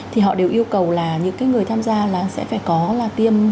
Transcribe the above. thì họ đều yêu cầu là những cái người tham gia là sẽ phải có là tiêm